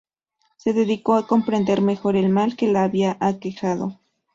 Se dedicó a comprender mejor el mal que la había aquejado.